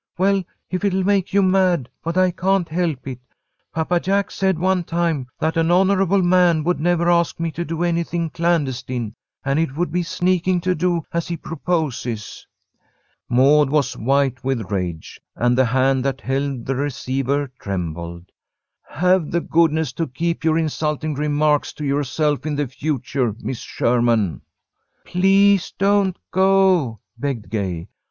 "Well, it'll make you mad, but I can't help it. Papa Jack said one time that an honourable man would never ask me to do anything clandestine. And it would be sneaking to do as he proposes." Maud was white with rage, and the hand that held the receiver trembled. "Have the goodness to keep your insulting remarks to yourself in the future, Miss Sherman." "Please don't go," begged Gay.